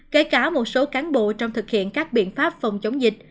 kể cả một số cán bộ trong thực hiện các biện pháp phòng chống dịch